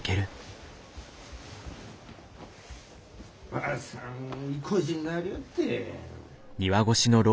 ・・・ばあさんいこじになりおって！